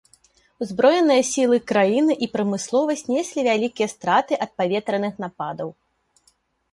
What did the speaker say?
Узброеныя сілы краіны і прамысловасць неслі вялікія страты ад паветраных нападаў.